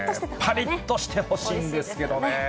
ぱりっとしてほしいんですけどね。